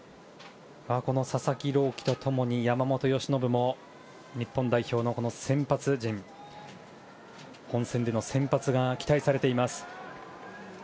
佐々木朗希と共に山本由伸も日本代表の先発陣本戦での先発が期待されています。